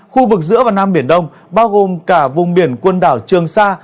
khu vực giữa và nam biển đông bao gồm cả vùng biển quần đảo trường sa